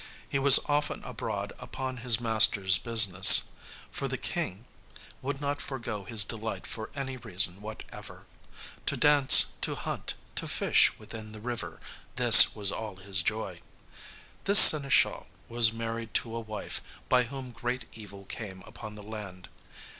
He was often abroad upon his master's business, for the King would not forego his delight for any reason whatever. To dance, to hunt, to fish within the river this was all his joy. This seneschal was married to a wife, by whom great evil came upon the land.